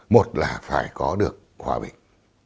một là phải có được hòa bình